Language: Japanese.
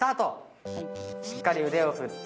しっかり腕を振って。